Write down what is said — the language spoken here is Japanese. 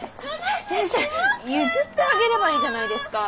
先生ゆずってあげればいいじゃないですかァ。